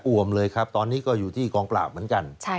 วมเลยครับตอนนี้ก็อยู่ที่กองปราบเหมือนกัน